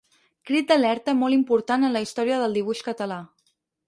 Crit d'alerta molt important en la història del dibuix català.